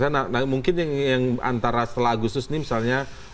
nah mungkin yang antara setelah agustus ini misalnya